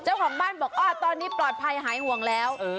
เจ้าของบ้านบอกตอนนี้ปลอดภัยหายห่วงแล้ว